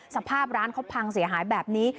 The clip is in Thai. สภาพร้านเขาพังเสียหายแบบนี้